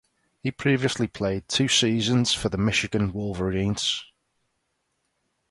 He previously played two seasons for the Michigan Wolverines.